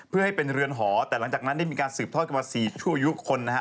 เพื่อให้เป็นเรือนหอแต่หลังจากนั้นได้มีการสืบทอดกันมา๔ชั่วยุคนนะฮะ